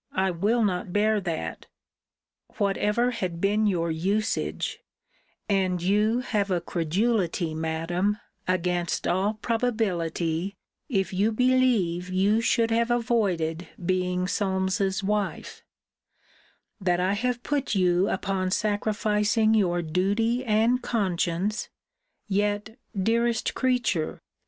I will not bear that 'Whatever had been your usage: and you have a credulity, Madam, against all probability, if you believe you should have avoided being Solmes's wife: That I have put you upon sacrificing your duty and conscience yet, dearest creature!